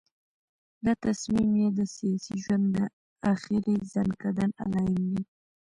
دا تصمیم یې د سیاسي ژوند د آخري ځنکدن علایم دي.